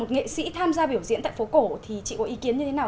nếu ta tham gia biểu diễn tại phố cổ thì chị có ý kiến như thế nào